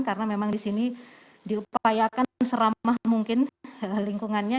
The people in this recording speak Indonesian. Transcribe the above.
karena memang di sini diupayakan seramah mungkin lingkungannya